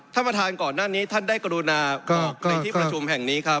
ท่านประธานก่อนหน้านี้ท่านได้กรุณาออกในที่ประชุมแห่งนี้ครับ